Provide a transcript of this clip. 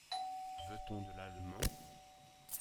Veut-on de l’allemand?